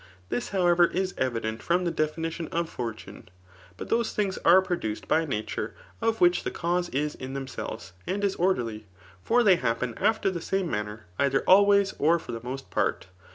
^ This, however, is evident from the definition of fortune. But those thmgs are produced by nature, of which the cause is in themselves and is orderly. For they happen a&er the same manner, either always, or for the most part.